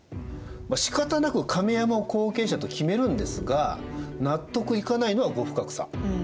しかたなく亀山を後継者と決めるんですが納得いかないのは後深草。